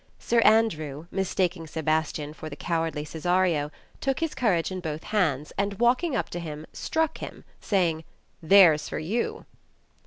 Sir Andrew, mistaking Sebastian for the cowardly Cesario, took his courage in both hands, and walking up to him struck him, saying, '^There's for you."